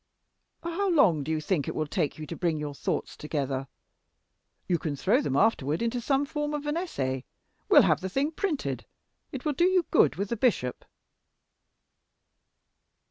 How long do you think it will take you to bring your thoughts together? You can throw them afterward into the form of an essay; we'll have the thing printed; it will do you good with the Bishop."